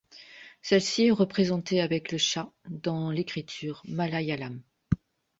Celle-ci est représentée avec le ṣa dans l’écriture malayalam.